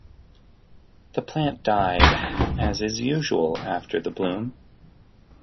The plant died as is usual after the bloom.